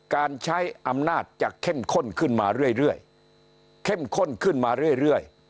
การใช้อำนาจจะเข้มข้นขึ้นมาเรื่อยเข้มข้นขึ้นมาเรื่อย